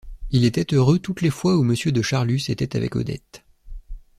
Il était heureux toutes les fois où Monsieur de Charlus était avec Odette.